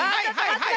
はい！